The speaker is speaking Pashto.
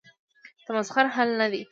تمسخر حل نه دی.